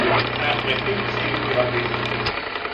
ئاخرەکەی سەری خۆی هەڵگرت